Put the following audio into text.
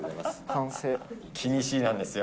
気にしいなんですよ。